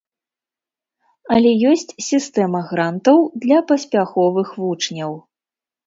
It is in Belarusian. Але ёсць сістэма грантаў для паспяховых вучняў.